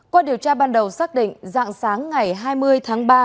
qua điều tra ban đầu xác định dạng sáng ngày hai mươi tháng ba